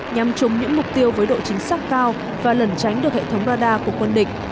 nhằm chung những mục tiêu với độ chính xác cao và lẩn tránh được hệ thống radar của quân địch